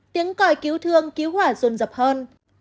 tiếng còi cứu thương cứu hỏa ruồn dập hơn